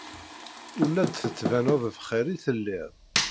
Ur la d-tettbaneḍ bxir i telliḍ.